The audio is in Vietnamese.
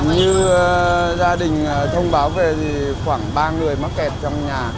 như gia đình thông báo về khoảng ba người mắc kẹt trong nhà